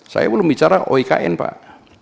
saya belum bicara oikn pak